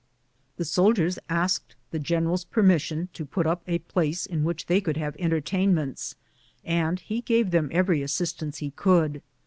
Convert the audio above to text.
The soldiers asked the general's permission to put up a place in which they could have entertainments, and he gave them every assistance he could.